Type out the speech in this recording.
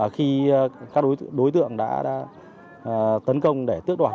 khi các đối tượng đã tấn công để tước đoạt